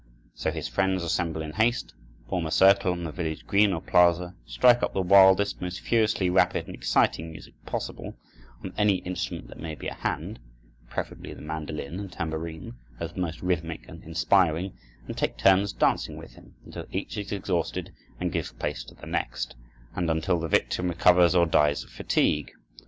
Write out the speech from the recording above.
So his friends assemble in haste, form a circle on the village green or plaza, strike up the wildest, most furiously rapid and exciting music possible, on any instrument that may be at hand, preferably the mandolin and tambourine, as the most rhythmic and inspiring, and take turns dancing with him, until each is exhausted and gives place to the next, and until the victim recovers or dies of fatigue.